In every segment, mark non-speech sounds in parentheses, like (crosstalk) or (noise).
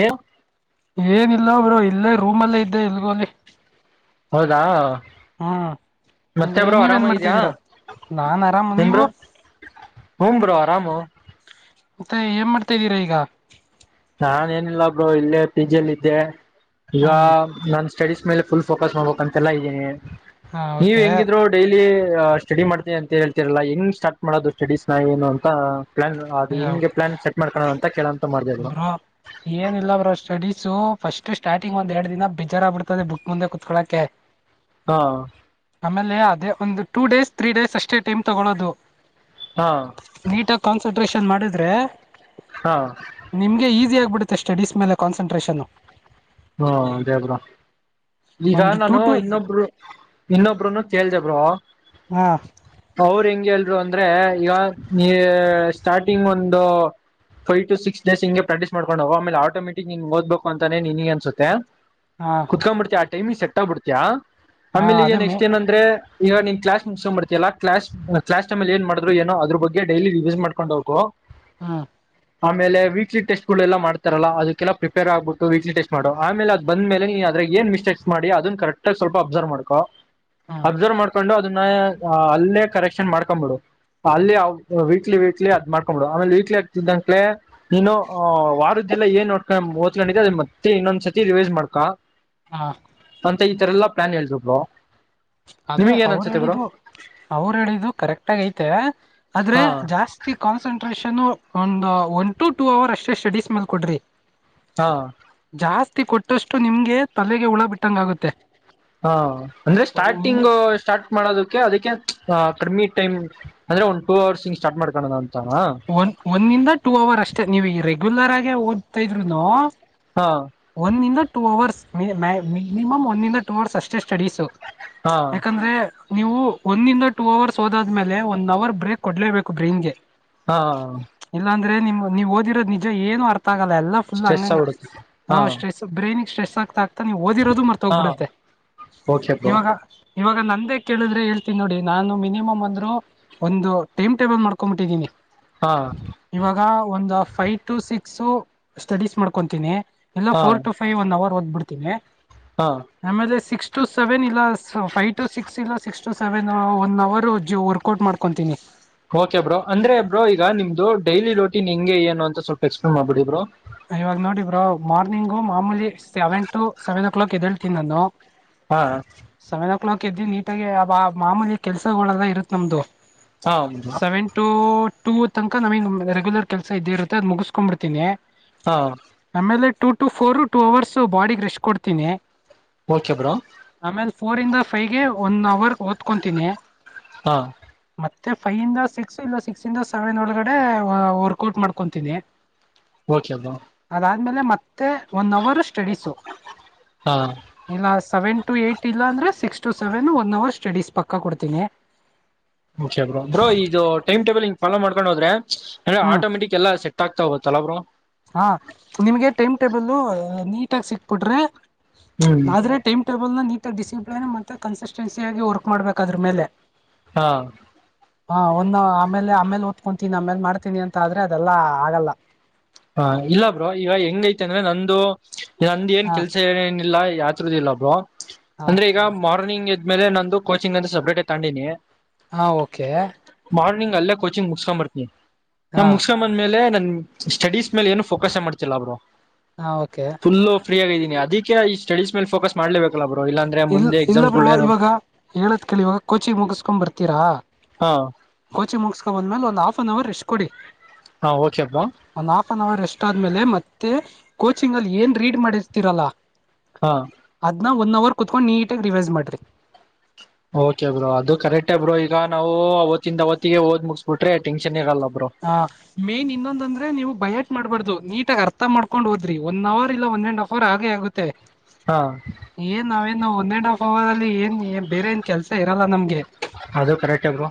ಯವು ಏನಿಲ್ಲ ಒಬ್ರು ಇಲ್ಲೇ ರೂಮ್ ಅಲ್ಲೇ ಇದ್ದೆ ಇಲ್ಗೋಲಿ ಹೌದಾ (unintelligible) ಹ್ಮ್ ಮತ್ತೆ ಬ್ರೋ ಆರಾಮ ನೀವೇನ್ ಇದ್ಯಾ ಮಾಡ್ತಿದ್ದೀರಾ ನಾನ್ ಆರಾಮ ನೀವು ಹ ಬೋ ಆರಾಮ ಮತ್ತೆ ಏನ್ ಮಾಡ್ತಾಿದ್ದೀರಾ ಈಗ ನಾನ ಏನಿಲ್ಲ ಬ್ರೋ ಇಲ್ಲೇ ಪಿ ಜಿಲ್ಲಿ ಇದ್ದೆ ಈಗ ಹ್ಮ್ ನನ್ ಸ್ಟಡೀಸ್ ಮೇಲೆ ಫುಲ್ ಫೋಕಸ್ ಮಾಡ್ಬೇಕ ಅಂತೆಲ್ಲಾ ಇದ್ದೀನಿ ಹಾ ನೀವ ಓಕೆ ಹೆಂಗಿದ್ರು ಡೈಲಿ ಸ್ಟಡಿ ಮಾಡ್ತೀಿ ಅಂತ ಹೇಳ್ತಿರಲ್ಲಾ ಹೆಂಗನ್ ಸ್ಟಾರ್ಟ್ ಮಾಡೋದು ಸ್ಟಡೀಸ್ ನ ಏನು ಅಂತ ಪ್ಲಾನ್ ಅದು ಹಿಂ ಪ್ಲಾನ್ೆಟ್ ಮಾಡಕೋ ಅಂತೇಳೋಂತ ಮಾಡ್ದ್ ಏನ ಇಿಲ್ಲ ಬರೋ ಸ್ಟಡೀಸು ಫಸ್ಟ್ ಸ್ಟಾರ್ಟಿಂಗ್ ಒಂದ್ ಎರಡ್ ದಿನ ಬಿೇಜಾರ ಬಿಿಡ್ತದೆ ಬುಕ್ ಮುಂದೆ ಕುೂತ್ಕೊಳಕೆ ಹಾ ಆಮೇಲೆ ಅದೇ ಒಂದು ಟೂ ಡೇಸ್ ತ್ರೀ ಡೇಸ್ ಅಷ್ಟೇ ಟೈಮ್ ತಗೊೊಳ್ಳೋದು ಹಾ ನೀಟ ಕಾನ್ಸಂಟ್ರಷನ್ ಮಾಡಿದ್ರೆ ಹಾ ನಿಮಗೆ ಈಸಿ ಆ ಬಿಡುತ್ತೆ ಸ್ಟಡೀಸ್ ಮೇಲೆ ಕಾನ್ಸಂಟ್ರೇಷನ್ ಹ್ಮ ಅದೇ ಅಬರ ಈಗ ಒಂದು ಟೂ ನಾನು ಟು ಇನ್ನೊಬ್ರು ಇನ್ನೊಬರುನು ಕೇಳ್ದ ಬ್ರೋ. ಹಾ ಅವರು ಹೆಂಗೆ ಹೇಳ್ ಅಂದ್ರೆ ಈಗ ನೀ ಸ್ಟಾರ್ಟಿಂಗ್ ಒಂದು. ಫೈವ್ ಟು ಸಿಕ್ಸ್ ಡೇಸ್ ಇಂಗೆ ಪ್ರಾಕ್ಟೀಸ್ ಮಾಡ್ಕೊಂಡ್ ಹೋಗು ಆಮೇಲೆ ಆಟೋಮಟಿಕ್ ನಿನ್ ಓದ್ಬೇಕು ಅಂತಾನೆ ನಿನಿಗ್ ಅನ್ಸ್ ಅನ್ಸುತ್ತೆ ಹಾ ಕುತ್ಕೊಂಡ್ಬಿಡ್ತ ಆ ಟೈಮಿಂಗ್ ಸೆಟ್ ಆಗ್ಬಿಡ್ತಯ ಹಾ ಆಮೇಲೆ ಈಗ ಅದೇ ಮೇ ನೆಕ್ಸ್ಟ್ ಏನಂದ್ರೆ. ಈಗ ನಿನ್ ಕ್ಲಾಸ್ ಮಕ್ಸ್ ಬರ್ತಿಯಲ್ಲ ಕ್ಲಾಸ್ ಕ್ಲಾಸ್ ರೂಮ್ ಅಲ್ ಏನ್ ಮಾಡ್ರು ಏನು ಅದರ್ ಬಗ್ಗೆ ಡೈಲಿ ರಿವೀಸ್ ಮಾಡ್ಕೊಂಡ್ ಹೋಗು. ಹಾ ಆಮೇಲೆ ವೀಕ್ಲಿ ಟೆಸ್ಟ್ಗಳು ಎಲ್ಲ ಮಾಡ್ತಾರಲ್ಲ ಅದಕ್ಕೆಲ್ಲ ಪ್ರಿಪೇರ್ ಆಗ್ಬಿಟ್ಟು ವೀಕ್ಲಿ ಟೆಸ್ಟ್ ಮಾಡು ಆಮೇಲೆ ಅದ ಬಂದ್ ಮೇಲೆ ನೀ ಅದ್ರಾಗ ಏನ್ ಮಿಸ್ಟೇಕ್ಸ್ ಮಾಡಿ ಅದನ್ ಕರೆಕ್ಟ್ಗ ಸ್ವಲ್ಪ ಅಬ್ಸರ್ವ್ ಮಾಡ್ಕೋ. ಹ್ಮ್ ಅಬ್ಸರ್ವ್ ಮಾಡ್ಕೊಂಡು ಅದನ್ನ ಅಲ್ಲೇ ಕರೆಕ್ಷನ್ ಮಾಡ್ಕೊ ಬಿಡು. ಅಲ್ಲಿ ವೀಕ್ಲಿ ವೀಕ್ಲಿ ಅದ್ ಮಾಡ್ಕೊಂಡ್ ಬಿಡು ಆಮೇಲೆ ವೀಕ್ಲಿ ಆಗ್ತಿದ್ದಂಗ್ಲೇ. ನೀನು ವಾರದ್ದೆಲ್ಲ ಏನ್ ನೋಡ್ಕೊಂಡ ಓದಕೊಂಡಿದ್ದೆ ಅದ ಮತ್ತೆ ಇನ್ನೊಂದ್ಸತಿ ರಿವೈಸ್ ಮಾಡ್ಕ. ಹಾ ಅಂತ ಈ ತರ ಎಲ್ಲಾ ಪ್ಲಾನ್ ಹೇಳಸ್ಕೋ. ಅದೇ ಅವರು ಹೇಳಿದ್ದು ಅವರು ಹೇಳಿದ್ದು ಕರೆಕ್ಟ್ ಆಗ ಐತೆ ಆದ್ರೆ ಹಾ ಜಾಸ್ತಿ. ತಿ ಕಾನ್ಸೆಂಟ್ರೇಷನ್ನು. ಒಂದು ಒನ್ ಟು ಟೂ ಅವರ್ ಅಷ್ಟೇ ಸ್ಟಡೀಸ್ ಮೇಲ್ ಕೊಡ್ರಿ ಹಾ ಜಾಸ್ ಕೊಟ್ಟಷ್ಟು ನಿಮ್ಗೆ ತಲೆಗೆ ಹುಳ ಬಿಟ್ಟಂಗ ಆಗುತ್ತೆ. ಹಾ ಅಂದ್ರೆ ಸ್ಟಾರ್ಟಿಂಗ್ ಮಿನಿ ಸ್ಟಾರ್ಟ್ ಮಾಡೋದಕ್ ಅದಕ್ಕೆ ಕರ್ಮಿ ಟೈಮ ಅಂದ್ರೆ ಒಂದಂದು ಟೂ ಅವರ್ಸ್ ಸ್ಟಾರ್ಟ್ ಮಾಡ್ಕೋಣ. ಓ ಒನ್ ಇಂದ ಟೂ ಅವರ್ ಅಷ್ಟೇ ನೀವ ಈಗ ರೆಗ್ಯುಲರ್ ಆಗೇ ಓದ್ತಾ ಇದ್ರುನು. ಹಾ ಒಂದಂದ ಟೂ ಅವರ್ಸ್ ಮಿನಿಮಮ್ ಒಂದಂದ ಟೂ ಅವರ್ಸ್ ಅಷ್ಟೆ. ಸ್ಟಡೀಸು ಹಾ ಯಾಕಂದ್ರೆ. ನೀವು ಒಂದಂದ ಟೂ ಅವರ್ಸ್ ಹೋದಾದ್ಮೇಲೆ ಒಂದ ಅವರ್ ಬ್ರೇಕ್ ಕೊಡ್ಲೇಬೇಕು ಬ್ರೈನ್ಗೆ. ಹಾ ಅಂದ್ರೆ ನೀವ್ ನೀ ನೀವು ಓದಿರೋದು ನಿಜ ಏನು ಅರ್ಥ ಆಗಲ್ಲ ಎಲ್ಲ ಫುಲ್ ಸ್ಟ್ರೆಸ್ ಹಂಗಂಗೆ ಆಗ್ಬಿಡುತ್ತೆ ಆ ಹಾ ಸ್ಟ್ರೆಸ್ ಬರೆ. ಏನಿಗೆ ಸ್ಟ್ರೆಸ್ ಆಗ್ತಾ ಆಗ್ತಾ ನೀವು ಓದಿರೋದು ಮರ್ತ ಹಾ ಹೋಗ್ಬಿಡುತ್ತೆ ಓಕೆ ಬ್ರೋ ಇವಾಗ. ಇವಾಗ ನಂದೇ ಕೇಳಿದ್ರೆ ಹೇಳ್ತೀನಿ ನೋಡಿ ನಾನು ಮಿನಿಮಮ್ ಅಂದ್ರು ಒಂದು ಟೈಮ್ ಟೇಬಲ್ ಮಾಡ್ಕೊಂಡ್ ಬಿಟ್ಟಿದ್ದೀನಿ. ಹಾ ಇವಾಗ ಒಂದು ಫೈವ್ ಟು ಸಿಕ್ಸ್ ಸ್ಟಡೀಸ್ ಮಾಡ್ಕೊತೀನಿ. ಎಲ್ಲ ಹಾ four to five one hour ಓದ್ಬಡ್ತೀನಿ. ಹಾ ಆಮೇಲೆ ಸಿಕ್ಸ್ ಟು ಸೆವೆನ್ ಇಲ್ಲ ಫೈವ್ ಟು ಸಿಕ್ಸ್ ಇಲ್ಲ. ಸೆವೆನ್ ಒನ್ ಅವರ್ ಜಿ ವರ್ಕೌಟ್ ಮಾಡ್ಕೊಂತೀನಿ. ಓಕೆ ಬ್ರ ಅಂದ್ರೆ ಬ್ರೋ ಈಗ ನಿಮ್ದು ಡೈಲಿ ರೋಟೀನ್ ಹೆಂಗೆ ಏನು ಅಂತ ಸ್ವಲ್ಪ ಎಕ್ಸ್ಪ್ಲೇನ್ ಮಾಡ್ಬಿಡಿ ಬ್ರೋ. ಇವಾಗ ನೋಡಿ ಬ್ರೋ ಮಾರ್ನಿಂಗು ಮಾಮೂಲಿ seven to seven o'clock ಎದೇಳ್ತೀನಿ ನಾನು. ಹಾ ಸೆವೆನ್ ಓ ಕ್ಲಾಕ್ ಎದ್ದು ನೀಟಾಗೆ ಆ ಮಾಮೂಲಿಯ ಕೆಸಗಳಲ್ಲ ಇರುತ್ತ ನಮ್ದು. ಹಾ ಬ್ರೋ ಸೆವೆನ್ ಟೂ ಟೂ ತನಕ ನಮಿ ರೆಗ್ಯುಲರ್ ಕೆಸ ಇದೇ ಇರುತ್ತೆ ಅದು ಮುಗಸ್ಕೊಂಡ್ ಬಿಡ್ತನಿ. ಹಾ ಆಮೇಲೆ two to four two hours ಬಾಡಿಗ ರೆಸ್ಟ್ ಕೊಡ್ತೀನಿ. ಓಕೆ ಬ್ರೋ ಆಮೇಲೆ ಫೋರ್ ಇಂದ ಫೈವ್ಗೆ ಒನ್ ಅವರ್ ಓದ್ಕೊತೀನಿ. ಹಾ ಮತ್ತೆ ಫೈವ್ ಇಂದ ಸಿಕ್ಸ್ ಇಲ್ಲ ಸಿಕ್ಸ್ ಇಂದ ಸೆವೆನ್ ಒಳಗಡೆ ವರ್ಕೌಟ್ ಮಾಡ್ಕೊತೀನಿ. ಓಕೆ ಬ್ರೋ ಆದ್ಮೇಲೆ ಮತ್ತೆ ಒನ್ ಅವರ್ ಸ್ಟಡೀಸು. ಹಾ ಇಲ್ಲ ಸೆವೆನ್ ಟು ಏಟ್ ಇಲ್ಲ ಅಂದ್ರೆ six to seven one hour study. ಪಕ್ಕ ಕೊಡ್ತೀನಿ ಕಓಕೆ ಬ್ರೋ ಬ್ರೋ ಇದು ಟೈಮ್ ಟೇಬಲ್ ಫಾಲೋ ಮಾಡಕೊಂಡು ಹೋದ್ರೆ ಅದೆ ಹ್ಮ್ ಆಟೋಮಟಕ್ ಎಲ್ಲ ಸೆಟ್ ಆತ. ತೋಗು ತಲ್ಲ ಬ್ರೋ. ಹಾ ನಿಮ್ಗೆ ಟೈಮ್ ಟೇಬಲ್ ನೀಟಾಗಿ ಸಿಕ್ಬಿಟ್ರೆ. ಹ್ಮ್ ನಾದ್ರೆ ಟೈಮ್ ಟೇಬಲ್ ನ ನೀ ಮ ಡಿಸಿಪ್ಲಲಿನ್ ಮತ್ತೆ ಕನ್ಸಿಸ್ಟೆನ್ಸಿಯಗಾಗಿ ವರ್ಕ್ ಮಾಡ್ಬೇಕ ಅದ್ರ ಮೇಲೆ ಹಾ ಹಾ ಒಂದು ಆಮೇಲೆ ಆಮೇಲೆ ಓದ್ಕೊತೀನಿ ಆಮೇಲ್ ಮಾಡ್ತೀನಿ ಅಂತ ಆದ್ರೆ ಅದೆಲ್ಲಾ ಆಗಲ್ಲ ಹ ಇಲ್ಲ ಬ್ರ ಈಗ ಹೆಂಗೈತಿ ಅಂದ್ರೆ ನಂದು ನಂದ ಏನ್ ಹ ಕೆಲ್ಸ ಏ ಇಲ್ಲ ಯಾತ್ರದ ಇಲ್ಲಬ್ ಹ ಅಂದ್ರೆ ಈಗ ಮಾರ್ನಿಂಗ್ ಇದ್ಮೇಲೆ ನಂದು ಕೋಿಂಗ ಅಂತ ಸಪೇಟ್ ತಗೊಂಡಿನಿ ಹಾ ಓಕೆ ್ ಅಲ್ಲೇ ಕೋಚಿಂಗ್ ಮುಗಸ್ಕೊಂಡಂಬರ್ತೀನಿ ನಾ ಹಾ ಮುಗಸ್ಕೊ ಬಂದ್ಮೇಲೆ ನನ್ ಸ್ಟಡೀಸ್ ಮೇಲೆ ಏನು ಫೋಕಸ್ ಮಾಡ್ತಿಲ್ಲಾ ಅವರು ಹಾ ಓಕೆ ಫುಲ್ಲು ಫ್ರೀ ಆಗಿದೀನ ಅದಕ್ಕೆ ಈ ಸ್ಟಡೀಸ್ ಮೇ ಫಕಸ್ ಮಾಡ್ಬೇಕಲ್ಲ ಬ ಇಲ್ ಇಲ್ಲ ಬ್ರವ ಇವಾಗ ಹೇಳತ್ ಕೇಳಿಿವವಾಗ ಕೋಚಿ ಮುಗಸ್ಕೊ್ ಬರ್ತೀರಾ ಹಾ ಗೋಚಿ ಮುಗಸ್ಕೋ ಬಂದ್ಮೇಲೆ ಒಂದ್ ಹಾಫ್ ಅನ್ ಅವರ್ ರೆಷ್ಟ್ ಕೊಡಿ ಹಾ ಓಕೆ ಬ್ರೋ ಒನ್ಪನ್ ಅವರ್ ಎಸ್ಟ್ ಆದ್ಮೇಲೆ ಮತ್ತೆ ಕೋಚಿಂಗ್ ಅಲ್ಲಿ ಏನ್ ರೀಡ್ ಮಾಡಿರ್ತೀರಲ್ಲ ಹಾ ಅದನ್ನ ಒನ್ ಅವರ್ ಕುೂತ್ಕೊಂಡು ನೀಟಾಗಿ ರಿವೈಸ್ ಮಾಡಿ್ರರಿ ಓಕೆ ಬ್ರೋ ಅದು ಕರೆಕ್ಟ್ ಬ್ರೋ ಈಗ ನಾವು ಅವತ್ತಿಂದ ಅವತ್ತಿಗೆ ಓದ್ ಮುಗಿಸಬಿಟ್ರೆ ಟೆನ್ಷನ್ ಇರಲ್ಲವ ಹ ಮೇನ್ ಇನ್ನೊಂದಂದ್ರೆ ನೀವು ಬಯಟ್ಟ ಮಾಡ್ಬಾರ್ದು ನೀಟ ಆಗ ಅರ್ಥ ಮಾಡ್ಕೊಂಡ್ ಹೋದ್ರಿ ಒನ್ ಅವರ್ ಇಲ್ಲ ಒನ್ ಅಂಡ್ ಆಫ್ ಅವರ್ ಆಗೆ ಆಗುತ್ತೆ ಹಾ ಏನ್ ಅವಾವೇನು ಒನ್ ಅಂಡ್ ಹಾಫ್ ಅವರ್ ಅಲ್ಲಿ ಏನ್ ಬೇರೆ ಏನ್ ಕೆಲ್ಸ ಇರಲ್ಲ ನಮ್ಗೆ ಅದು ಕರೆಕ್ಟ್ಬ್ರು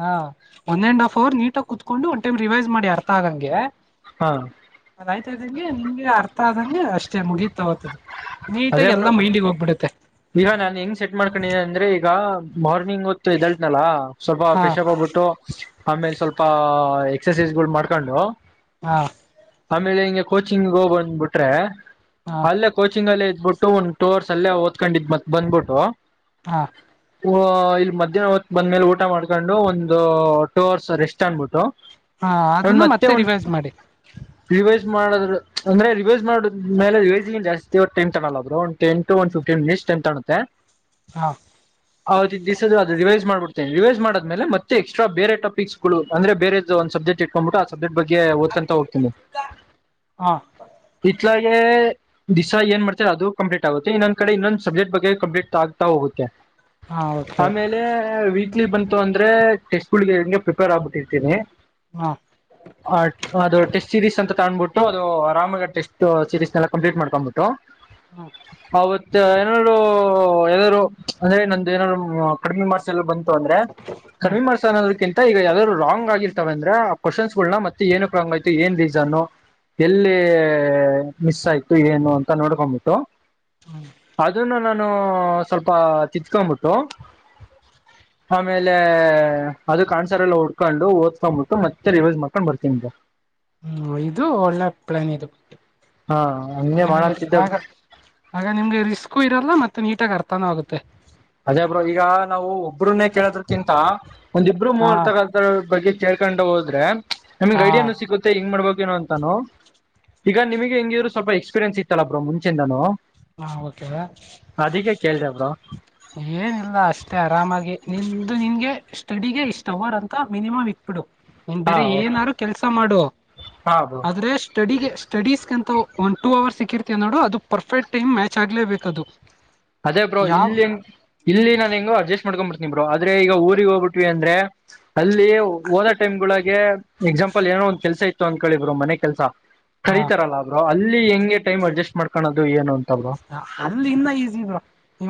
ಹಾ ಒನ್ ಅಂಡ್ ಹಫ್ ಅವರ್ ನೀಟಾಗಿ ಕ ಕುತ್ಕೊಂಡು ಒಂದು ಟೈಮ ರಿವೈಸ್ ಮಾಡಿ ಅರ್ಥ ಆ ಹಾಗಂಗೆ ಹಾ ಅದಾಯ್ತ ಇದ್ದಂಗೆ ನಿಂಗೆ ಅರ್ಥ ಆದಂಗೆ ಅಷ್ಟೇ ಮುಗೀತ ಅದೇಬ್ ಹೋಗ್ಬಿಡುತ್ತೆ ಈಗ ನಾಾನು ಹೆಂಗ ಸೆಟ್ ಮಾಡ್ಕೊಂಡಿದೆಿ ಅಂದ್ರೆ ಈಗ ಮಾರ್ನಿಂಗ್ ಹೊತ್ತು ಇದಲ್ಟ್ನಲ್ಲ ಸ್ವಲ್ಪ ಹಾ ಫ್ರೆಶ್ ಆಗಿ ಹೋಗ್ಬಿಟ್ಟು ಆಮೇಲೆ ಸ್ವಲ್ಪ ಎಕ್ಸಸೈಸ್ ಗಳು ಮಾಡ್ಕೊಂಡು ಹಾ ಆಮೇಲೆ ಹಿಂಗಗೆ ಕೋಚಿಂಗ್ಗೆ ಹೋಗ್ ಬಂದ್ಬಿಟ್ರೆ ಹಾ ಅಲ್ಲೇ ಕೋಚಿಂಗ್ಲ್ಲೇ ಇದ್ಬಿಟ್ಟು ಒಂದ್ ಟೂ ಅವರ್ಸ್ ಅಲ್ಲೇ ಓದ್ಕೊಂಡಿದ್ತ್ ಬಂದ್ಬಿಟ್ಟು ಹಾ ಹ ಇಲ್ಲಿ ಮಧ್ಯಾಹ್ನ ಹೊತ್ತು ಬಂದ್ ಮೇಲೆ ಊಟ ಮಾಡ್ಕೊಂಡು ಒಂದು ಟೂ ಅವರ್ಸ್ ರೆಸ್ಟ್ ಅನ್ಬಿಟ್ಟು ಹಾ ಅವ ಅದನ್ನ ಮತ್ತೆ ಒವ ರಿವೈಸ್ ಮಾಡಿ ಮಾಡ್ ಅಂದ್ರೆ ರಿವೈಸ್ ಮಾಡ ಮೇಲೆ ರಿವೈಸ್ ಜಾಸ್ತಿ ಟೆತ್ ಅಲ್ಲರು ಒ ಟನ್ ಟ ಒ ಫ್ಟನ್ ಟೆತ್ ಅುತ್ತೆ ಹಾ ಹೌ ತಿ ದಿಸ ಅತ ಬ ಮಾಡ್ಬಡ್ೇನೆ ರಿವೈಸ್ ಮಾಡೇ ಮತ್ತೆ ಎಕ್ಸ್್ ಬೇರೆಟಕ್ಸ್ಗಳುಂದ್ರೆ ಬೇರೆದು ಒಂದು ಸಬ್ಜಕ್ಟ್ಕ್ಬಿ ಆ ಸಬ್ಜೆಕ್ಟ್ಗ್ಗೆ ಹದಂತ ಹಾ ಮಲಗೆ ದಿಸಸ ಏನ್ ಮಾಡ್ತಾರೆ ಅದು ಕಂಪ್ಲೀಟ್ ಆಗುತ್ತೆ ಇನ್ನೊಂದ ಕಡೆ ಇನ್ನೊಂದು ಸಬ್ಜೆಕ್ ಬಗ್ಗೆಂಪ್ಲೀಟ್ ಆಗ್ತಾ ಹೋಗುತ್ತೆ ಹಾ ಓಕೆ ಆಮೇಲೆ ವೀಕ್ಲಿ ಬಂತು ಅಂದ್ರೆ ಟೆಸ್ಟಿಗೆ ಹೆಂಗೆ ಪ್ರಿಪೇರ್ ಆಗ್ಬಿಟ್ಟಿರ್ತೀನಿ ಹಾ ಹ ಅದು ಟೆಸ್ಟ್ ಸಿೀರೀಸ್ ಅಂತ ಕಾಣ್ಬಿಟ್ಟು ಅದು ರಾಮನಗರ್ ಟೆಸ್ಟ್ ಸೀರೀಸ್ ನ ಕಂಪ್ಲೀಟ್ ಮಾಡ್ಕ್ಬಿಟ್ಟು ಹ್ಮ್ ಅವತ್ತು ಮ ಏನಾದ್ರು ಎಏನಾದ್ರು ಅಂದ್ರೆ ನಮ ಏನಾದ್ರು ಕಡಿಮೆ ಮಾರ್ಸ ಎಲ್ಲ ಬಂತ ಅಂದ್ರೆ ಹ್ಮ್ ಕಡಿ್ಮೆ ಮಾಡ್ಸ ಅನ್ನೋದ್ರ ಕೆ ಈಗ ಯಾವಾದ್ರು ರಂಗ ಆಗಿರ್ತವೆ ಅಂದ್ರೆ ಆ ಕ್ವಶ್ನ್ ಗಳನ ಮತ್ತೆ ಏನ ಪ್ರಾಂಗ ಆಯ್ತು ಏನ್ ರೀಸನ್ ಎಲ್ಲಿ ಮಿಸ್ ಆಯ್ತು ಏನು ಅಂತ ನೋಡ್ಕೊಂಡ್ಬಿಟ್ಟು ಅದ ನಾನು ಸ್ವಲ್ಪ ತಿತ್ಕೊಬಿಟ್ಟು ಆಮೇಲೆ ಅದು ಕಾಣ್ಸಾರೆ ಎಲ್ಲ ಉಡ್ಕೊಂಡು ಓದ್ಕೊಂಡ್ಬಿಟ್ಟು ಮತ್ತೆ ರಿವೈಸ್ ಮಾಡ್ಕೊಂಡ್ ಬರ್ತೀನಗೆ ಹ್ಮ ಇದು ಒಳ್ಳೆ ಪ್ಲಾನ್ ಇದುು ಹಾ ಹಂಗೆ ನಿಮಗೆ ಮಾಡಂತಿದ್ದೆ ಆಗ ಆಗ ನಿಮ್ಗೆ ರಿಸ್ಕು ಇರಲ್ಲ ಮತ್ತೆ ನೀಟಾಗಿ ಅರ್ಥಾನೂ ಆಗುತ್ತೆ ಅದೇಬ್್ರ ಈಗ ನಾವು ಒಬ್ಬ್ರನ್ನೇ ಕೇಳೋ್ರಕ್ಕಿಂತ ಒಂದಿಬ್ರು ಹಾ ಮೂವರ್ತ ಕಲ್ದ ಬಗ್ಗೆ ಕೇಳ್ಕೊಂಡು ಹೋದ್ರೆ ನಮ್ಗೆ ಹಾ ಐಡಿಯನ್ನು ಸಿಗುತ್ತೆ ಹೆಂಗ ಮಾಡ್ಬು ಏನು ಅಂತಾನು ಈಗ ನಿಮಗೆ ಹೆಂಗಿದ್ರು ಸ್ವಲ್ಪ ಎಕ್ಸ್ಪೀರಿಯನ್ಸ್ ಇತ್ತಲ್ಲ ಬ್ರೋ ಮುಂಚೆಿಂದಾನು ಹಾ ಓಕೆದ ಕೇಳ್ದೆ ಬ್ರೋ ಏನಿಲ್ಲ ಅಷ್ಟೇ ಆರಾಮಾಗಿ ನಿ್ದು ನಿನ್ಗೆ ಸ್ಟಡಿಗೆ ಇಷ್ಟು ಓವರ್ ಅಂತ ಮಿನಿಮಮ್ ಇಟ್ಬಿಡು ನೀನ್ ಹಾ ಬೇರೆ ಏನಾರು ಕೆಲ್ಸ ಮಾಡುವ ಹಾ ಬ್ರೋ ಆದ್ರೆ ಸ್ಟಡಿಗೆ ಸ್ಟಡೀಸ್ಗೆಂತ ಒನ್ ಟೂ ಅವರ್ಸ್ ಸಿಕ್ಕಿರ್ತ ನೋಡು ಅದು ಪರ್ಫೆಟ್ ಟೈಮ್ ಮ್ಯಾಚ್ ಆಗ್ಲೇಬೇಕ ಅದು ಅದೇ ಬೋ ಇಲ್ಲಿ ಇಲ್ಲಿ ನ ನಿಂಗು ಅಸ್ ಮಾಡ್ಕೊ್ ಬಿಿತನ ಬರು ಆದ್ರೆ ಈ ಊರಿಗೆ ಹೋಗಬಿಟ್ವಿಂದ್ರೆ ಅಲ್ಲಿ ಹಓದ ಟೈಮ್ ಳಗೆ ಎಕ್ಸಾಂಪಲ್ ಏನೋ ಒಂದ್ ಕೆಲ್ಸ ಇತ್ತು ಅಂತ ಕೇಳಿದ್ರು ಮನೆ ಕೆಲ್ಸ ಹ ಕರಿತಾರಲ್ಲ ಅಬ್್ರರು ಅಲ್ಲಿ ಹೆಂಗೆ ಟೈಮ್ ಅಡ್ಜಸ್ಟ್ ಮಾಡ್ಕೋೋದು ಏನುಂತ ಅಲ್ಲಿ ಇನ್ನ ಈಸಿ ಇದ್ವಾ ಇ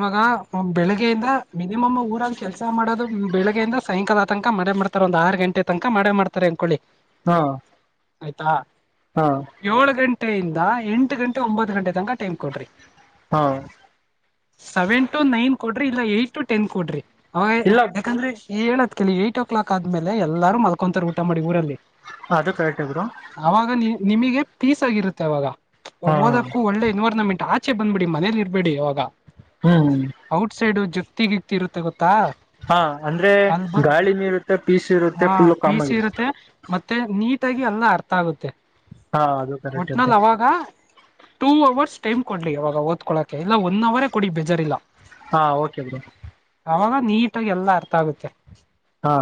ಬೆಳಗ್ಗೆಯಿಂದ ಮಿನಿಮಮ್ ಊರಲ್ಲಿ ಕೆಲಸ ಮಾಡೋದು ಬೆಳಗ್ಗೆಯಿಂದ ಸಾಯಂಕಾಲದ ಆತಂಕ ಮಳೆ ಮಾಡ್ತ ಒಂದ್ ಆರು ಗಂಟೆ ತನಕ ಮಾಡ್ತಾರೆ ಅನ್ಕೊಳ್ಳಿ ಹಾ ಆಯ್ತಾ ಹಾ ಏಳ ಗಂಟೆಯಿಂದ ಎಂಟು ಗಂಟೆ ಒಂಬತ್ತು ಗಂಟೆ ತನಕ ಟೈಮ್ ಕೊಡ್ರಿ ಹಾ ಸೆವೆನ್ ಟು ನೈನ್ ಕೊಡ್ರಿ ಇಲ್ಲ ಏಟ್ ಟು ಟೆನ್ ಕೊಡ್ರಿ ಅವ ಇಲ್ಲ ಯಾಕಂದ್ರೆ ಹೇಳತ್ ಕೆಲ್ಲಿ ಏಟ್ ಓ ಕ್ಲಾಕ್ ಆದ್ಮೇಲೆ ಎಲ್ಲಾರರು ಮಲ್ಕೊಂತತಾರ ಊಟ ಮಾಡಿ ಊರಲ್ಲಿ ಅದು ಕರೆಕ್ಟ್ಗರು ಅವಾಗ ನಿ ನಿಮಗೆ ಪೀಸ್ ಆಗಿರುತ್ತೆ ಅವಾಗ ಹಾ ಓದಕ್ಕೂ ಒಳ್ಳೆ ಎನ್ವೈರಮೆಂಟ್ ಆ ಇಚೆ ಬಂದ್ಬಿಡಿ ಮನೇಲಿ ಇರ್ಬೇಡಿ ಅವಾಗ ಹ್ಮ್ ಔಟ್ಸೈಡ್ ಜೊತ್ತಗಿತಿ ಇರುತ್ತೆ ಗೊತ್ತಾ ಹಾ ಅಂದ್ರೆ ಅಲ್ಬ ಗಾಳಿಿನಿ ಇರುತ್ತೆ ಪೀಸ್ ಇರುತ್ತೆ ಹಾ ಫುಲ್ಲು ಪೀಸ್ ಕಾಮಗರುತ್ತೆ ಇರುತ್ತೆ ಮತ್ತೆ ನೀಟಾಗಿ ಎಲ್ಲ ಅರ್ಥ ಆಗುತ್ತೆ ಹಾ ಅದು ಕರೆಕ್ಟ್ ಇದೆ ಒಟ್ಟಿನಲ್ಲಿ ಅವಾಗ ಟೂ ಅವರ್ಸ್ ಟೈಮ್ ಕೊಡ್ಲಿ ಅವವಾಗ ಓದ್ಕೊಳಕೆ ಇಲ್ಲ ಒನ್ ಅವರೇ ಕೊಡಿ ಬೇಜಾರ್ಿಲ್ಲಲ್ಲ ಹಾ ಓಕೆ ಬೋ ನೀಟಾಗಿ ಎಲ್ಲ ಅರ್ಥ ಆಗುತ್ತೆ ಹಾ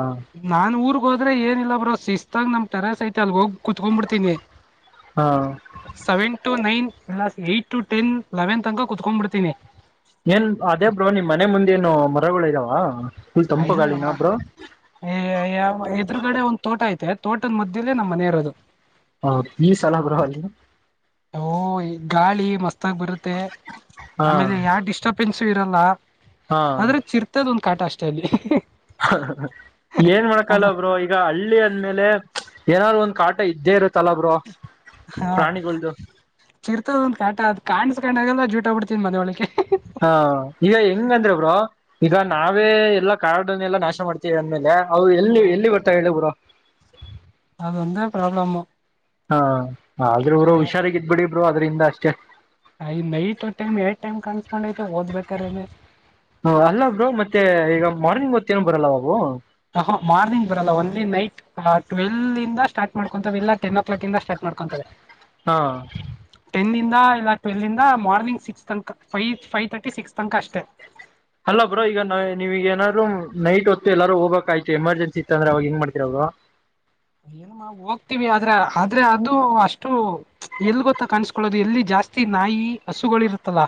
ನಾ ಹೋದ್ರ ಏನಿಲ್ಲ ಬ್ರೋ ಶಿಸ್ಾಗ ನ ಟರಸ್ ಐತೆ ಅಲ್ಲಿ ಹೋಗಿ ಕುತ್ಕೊಂಡ್ಬಿಡ್ತೀನಿ ಹಾ ಸೆವೆನ್ ಟು ನೈನ್ ಎಲಾಸ್ ಏಟ್ ಟು ಟೆನ್ ಲೆವೆನ್ ತನ ಕ ಕುತ್ಕೊಂಡ್ ಬಿಡ್ತೀನಿ ಏನ್ ಅದೇ ಬ್ರೋ ನಿಮ್ ಮನೆ ಮುಂದೇಏನು ಮರಗಳಗಳು ಇದ್ದಾವ ಹ ಇದು ನಮ್ಮ ಎ್ರಗಡೆ ಒಂದು್ ತೋಟ ಐತೆ ತೋಟದ ಮದ್ದೇ ನಮ್ಮ್ನೆ ಇರೋದು ಹೌ ಈ ಸಲಭ ರ ಓ ಗಾಳಿ ಮಸ್ತಾಗ ಬರುತ್ತೆ ಹಾ ಆಮೇಲೆ ಯಾವ ಡಿಸ್ಟಬೆನ್ ಇರಲ್ಲ ಹಾ ಆದ್ರೆ ಚಿರ್ತದ ಒಂದ್ ಕಾಟ ಅಷ್ಟೇ ಅಲ್ಲಿ ಏನ್ ಮಾಡಕಲ್ಲ ಅದು ಒಬ್ರು ಈಗ ಹಳ್ಳಿ ಅಂದ್ಮೇಲೆ ಏನಾದ್ರು ಒಂದ್ ಕಾಟ ಇದ್ದೇ ಇರುತ್ತಲಾಬ್್ರರು ಹಾ ಚಿರ್ತದ ಒಂದ್ ಕಾಟ ಅ ಕಾಣ್ಿಸಕಂಡ ಆಗಲ್ಲ ಜೂಟಬ ಬಿಡ್ತೀನಿ ಮನೆ ಒೊಳಕ್ಕೆ ಹಾ ಈಗ ಹೆಂಗಂದ್ರ ಬ್ರ ಈಗ ನಾವೇ ಎಲ್ಲಾ ಕಾರ್ಡನ್ನೆಲ್ಲಾ ನಾಶ ಮಾಡ್ತೀವಿ ಅಂದ್ಮೇಲೆ ಅವು ಎಲ್ಲಿ ಎಲ್ಲಿ ಬರ್ತಾವ ಹೇಳಿ ಗುಡ ಅದು ಒಂದ ಪ್ರಾಬ್ಲಮ ಹಾ ಆದ್ರೆ ಇರು ಹುಷಾರ ಇದ್ಬಿಡಿಬರು ಅದ್ರಿಂದ ಅಷ್ಟೇ ಹ ನೈಟ್ ಟೈಮ್ ಎ ಟೈಮ್ ಕಾಣಿಸಸ್ಕೊಂಡೈತೆ ಓದ್ಬೇಕಾರನ ಹ ಅಲ್ಲ ಬ್ರರು ಮತ್ತೆ ಈಗ ಮಾರ್ನಿಂಗ್ ಮತ್ತ ಏನ್ ಬರಲ್ಲ ಬಾಬವು ಹ ಮಾರ್ನಿಂಗ್ ಬರಲ್ಲ ಒಂದಲಿ ನೈಟ್ ಟ್ವೆಲ್ ಇಂದ ಸ್ಟಾರ್ಟ್ ಮಾಡ್ಕೊಂತವೆ ಇಲ್ಲ ಟೆನ್ ಕ್ಲಾಕ್ ಇಂದ ಸ್ಟಾರ್ಟ್ ಮಾಡ್ಕೊಂತವೆ ಹಾ ಟೆನ್ಂದ ಇಲ್ಲ ಟ್ವೆಲ್ಂದ ಮಾರ್ನಿಂಗ್ ಸಿಕ್ಸ್ ತನಕ ಫೈ ೈವ್ ತರ್ಟಿ ಸಿಕ್ಸ್ ತನಕ ಅಷ್ಟೇ ಅಲ್ಲ ಬ್ರೋ ಎಲ್ಲಾರೂ ಹೋಗ್ಬೇಕ ಆ್ತು ಎಮಜೆನ್ಸಿ ಇತ್ತ ಅಂದ್ರೆ ಅವ ಹ ಹೆಂಗ ಮಾಡ್ತತಿರ ಅವ್ರು ಏನ್ ಹೋಗ್ತಿೀವಿ ಆದ್ರ ಆದ್ರೆ ಅದು ಅಷ್ಟು ಎಲ್ ಗೊತ್ತ ಕಾಣಸ್ಕೊೊಳ್ಳೋದು ಎಲ್ಲಿ ಜ ಜಾಸ್ತಿ ನಾಯಿ ಹಸುಗಳಿರುತ್ತಲ್ಲಾ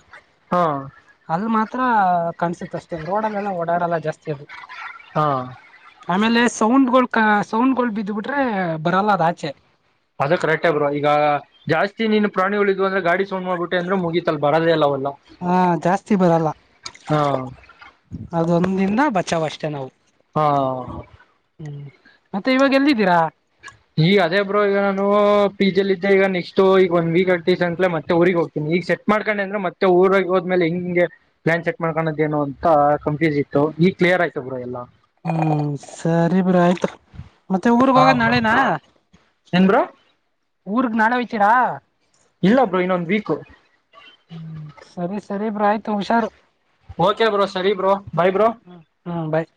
ಹಾ ಹತ್ರ ಕನ್ಸುತ್ತ ಅಷ್ಟೇ ರೋಡಲ್ಲೆಲ್ಲ ಓಡರ್ಲ್ಲಾ ಜಾಸ್ತಿ ಅದು ಹಾ ಆಮೇಲೆ ಸೌಂಡ್ಗಳು ಕ ಸೌಂಡ್ಗಳು ಬಿದ್ದ್ಬಿಟ್ರೆ ಬರಲ್ಲ ಅದ ಆಚೆ ಅದ ಕರೆಕ್ಟ ಅ ಬ್ರ ಈಗ ಜಾಸ್ತಿ ನೀನು ಪ್ರಾಣಿಗಳಿದ್ ಅಂದ್ರೆ ಗಾಡಿ ಸೋೊಂಡ್ ಮಾಡ್ಬಿಟ್ಟೆ ಅಂದ್ರೆ ಮುಗಿತ ಬರದೇ ಅಲ್ಲವಲ್ಲ ಹಾ ಜಾಸ್ತಿ ಬರಲ್ಲ ಹಾ ಅದೊಂದಿಂದ ಬಚಾವ ಅಷ್ಟೆ ನಾವು ಹಾ ಹ್ಮ್ ಮತ್ತೆ ಇವಾಗ ಎಲ್ದಿದ್ದೀರಾ ಈ ಅದೇ ಬ್ರೋ ಈಗ ನಾನು ಪಿ ಜಲ್ಲಿದ್ದೆ ಈಗ ನೆಕ್ಸ್ಟ್ ಈಗ ಒಂದ್ ವೀಕ್ ಆಗ್ತೀಸ್ ಅಂತಲೇ ಮತ್ತೆ ಊರಿಗೆಗ್ ಹೋಗ್ತೀನಿ ಈಗ ಸೆಟ್ ಮಾಡ್ಕೊಂಡು ಅಂದ್ರೆ ಮತ್ತೆ ಊರಾಗಿ ಹೋದ್್ಮೇಲೆ ಹೆಂಗ ಹಿಂಗೆ ಪ್ಲಾನ್ ಸೆಟ್ ಮಾಡಕೋದೇನು ಅಂತ ಕನ್ಫ್ಯೂಸ್ ಇತ್ತು ಈ ಕ್ಲಿಯರ್ ಆಯತ ಬ್ರಾ ಎಲ್ಲ ಹ್ಮ್ ಸರಿ ಬಿ್ರ ಆಯ್ತು ಮತ್ತೆ ಊ್ರಗ್ ಹೋಗದ ನಾಳೆನಾ ಹೆಂಗ ಬರುೋ ಊರುಕ ನಡ ವಚರಾ ಇಲ್ಲ ಬ್ರರು ಇನ್ನೊಂದ್ ವೀಕ ಹ್ಮ್ ಸರಿ ಸರಿಬ್ರ ಆಯ್ತು ಹುಷಾರು ಓಕೆ ಬ್ರೋ ಸರಿ ಬ್ರೋ ಬಾಯ ಬ್ರೋ ಹ್ಮ್ ಬಾಯ್